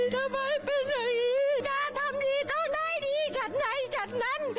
ท่านทำดีก็ได้ดีจัดใหนจัดนั้น